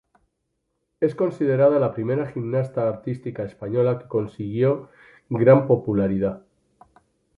Es considerada la primera gimnasta artística española que consiguió gran popularidad.